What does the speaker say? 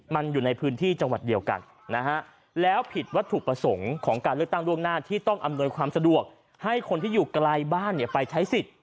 มันอยู่ในพื้นที่จังหวัดเดียวกันนะฮะแล้วผิดวัตถุประสงค์ของการเลือกตั้งล่วงหน้าที่ต้องอำนวยความสะดวกให้คนที่อยู่ไกลบ้านไปใช้สิทธิ์